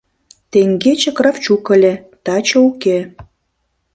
Теҥгече Кравчук ыле, таче уке.